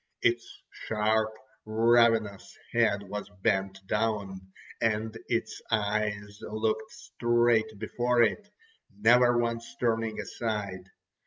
Its sharp, ravenous head was bent down, and its eyes looked straight before it, never once turning aside.